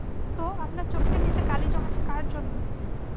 তো, আপনার চোখের নিচে কালি জমেছে কার জন্য?